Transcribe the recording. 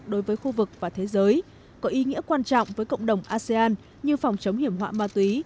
đối với khu vực và thế giới có ý nghĩa quan trọng với cộng đồng asean như phòng chống hiểm họa ma túy